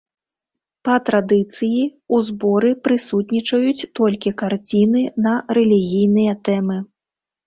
Па традыцыі ў зборы прысутнічаюць толькі карціны на рэлігійныя тэмы.